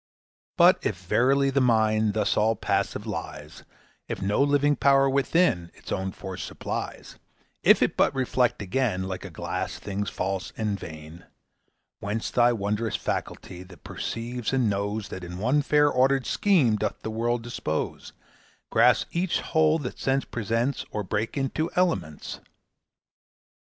But if verily the mind Thus all passive lies; If no living power within Its own force supplies; If it but reflect again, Like a glass, things false and vain Whence the wondrous faculty That perceives and knows, That in one fair ordered scheme Doth the world dispose; Grasps each whole that Sense presents, Or breaks into elements?